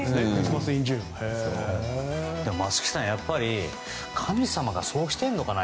松木さん、やっぱり神様がそうしてるのかな。